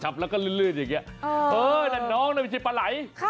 แล้วก็ลื่นอย่างนี้เออนั่นน้องน่ะไม่ใช่ปลาไหล